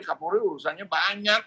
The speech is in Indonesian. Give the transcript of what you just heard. kapolri urusannya banyak